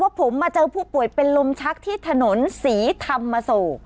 ผมมาเจอผู้ป่วยเป็นลมชักที่ถนนศรีธรรมโศก